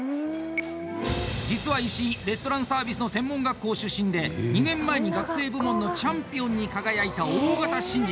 実は、石井レストランサービスの専門学校出身で、２年前に学生部門のチャンピオンに輝いた大型新人。